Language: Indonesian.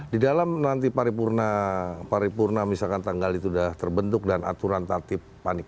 di dalam nanti paripurna misalkan tanggal itu udah terbentuk dan aturan tati kepanitiaan itu